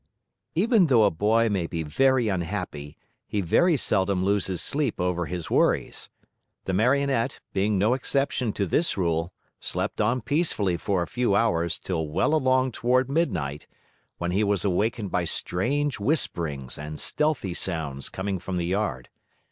Even though a boy may be very unhappy, he very seldom loses sleep over his worries. The Marionette, being no exception to this rule, slept on peacefully for a few hours till well along toward midnight, when he was awakened by strange whisperings and stealthy sounds coming from the yard.